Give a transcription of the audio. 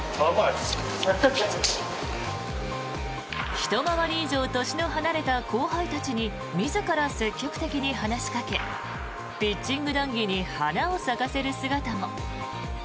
ひと回り以上年の離れた後輩たちに自ら積極的に話しかけピッチング談議に花を咲かせる姿も。